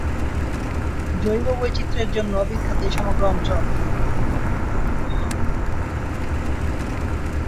জৈব-বৈচিত্রের জন্য বিখ্যাত এই সমগ্র অঞ্চল।